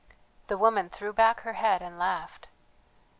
The woman threw back her head and laughed.